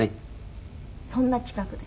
そんな近くで？